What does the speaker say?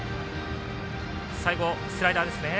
最後、スライダーですね。